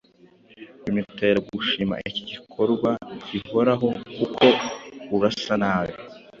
bimutera gushima iki gikorwa gihoraho kuko Urasanabi